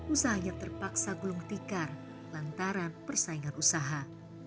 usahanya terpaksa gulung tikar lantaran persaingan usaha